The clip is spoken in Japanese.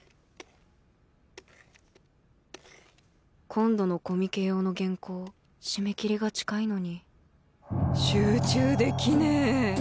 今度のコミケ用の原稿締め切りが近いのに集中できねえ